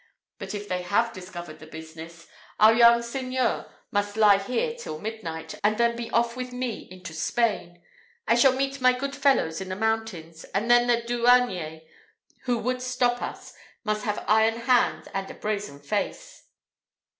But if they have discovered the business, our young Seigneur must lie here till midnight, and then be off with me into Spain. I shall meet my good fellows in the mountains; and then the douaniers who would stop us must have iron hands and a brazen face."